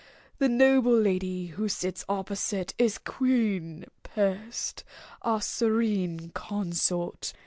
"The noble lady who sits opposite is Queen Pest, our Serene Consort.